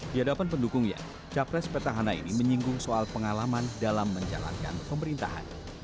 di hadapan pendukungnya capres petahana ini menyinggung soal pengalaman dalam menjalankan pemerintahan